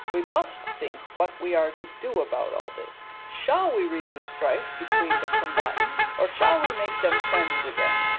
We must think what we are to do about all this. Shall we renew strife between the combatants or shall we make them friends again?